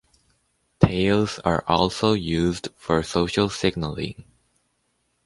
Tails are also used for social signaling.